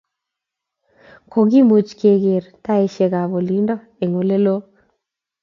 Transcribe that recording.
kokimuch ke ker taishek ab olindo eng' olelo